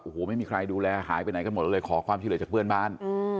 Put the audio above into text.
โอ้โหไม่มีใครดูแลหายไปไหนกันหมดเลยขอความช่วยเหลือจากเพื่อนบ้าน